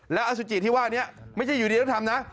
แล้วอสุจิที่ว่านี้ไม่ได้อยู่ดีที่ถ้าทำนะ